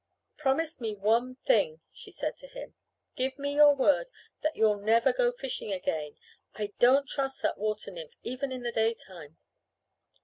"Promise me one thing," she said to him. "Give me your word that you'll never go fishing again. I don't trust that water nymph even in the daytime."